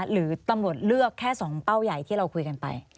หรือตำรวจเลือกแค่๒เป้าใหญ่ที่เราคุยกันไป